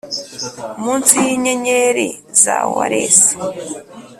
munsi yinyenyeri za wales